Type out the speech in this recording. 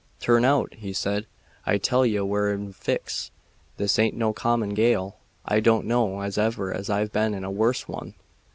"Turn out!" he said. "I tell ye we're in a fix. This aint no common gale. I don't know as ever I've been in a worse one."